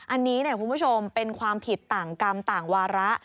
อันนี้คุณผู้ชมเป็นความผิดต่างกรรมต่างวาระ